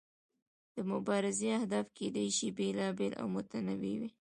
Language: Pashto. د مبارزې اهداف کیدای شي بیلابیل او متنوع وي.